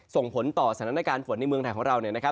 ส่งผลต่อสถานการณ์ฝนในเมืองไทยของเรา